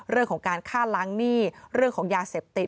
เรื่องของการฆ่าล้างหนี้เรื่องของยาเสพติด